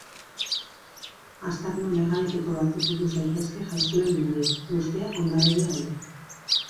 Aztarna megalitiko batzuk ikus daitezke Jaizkibel mendian, guztiak Hondarribia aldean.